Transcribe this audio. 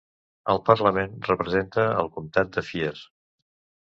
Al parlament representa al Comtat de Fier.